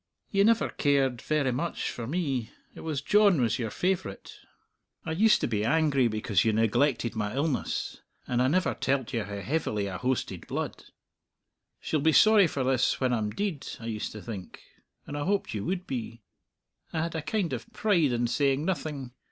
"Ye never cared verra much for me; it was John was your favourite. I used to be angry because you neglected my illness, and I never telled you how heavily I hoasted blood. 'She'll be sorry for this when I'm deid,' I used to think; and I hoped you would be. I had a kind of pride in saying nothing.